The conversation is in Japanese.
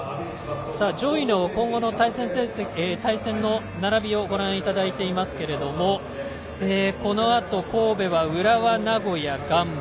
上位の今後の対戦の並びをご覧いただいていますがこのあと神戸は浦和、名古屋、ガンバ。